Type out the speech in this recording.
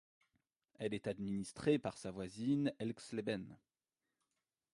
Elle est administrée par sa voisine Elxleben.